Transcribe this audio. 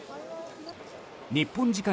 日本時間